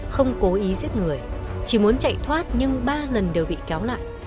không cố ý giết người chỉ muốn chạy thoát nhưng ba lần đều bị kéo lại